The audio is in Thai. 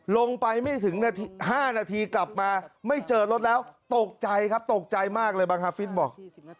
ลงไปไม่ถึง๕นาทีกลับมาไม่เจอรถแล้วตกใจครับตกใจมากเลยบังฮาฟิศบอก